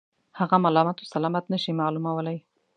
هغه ملامت و سلامت نه شي معلومولای.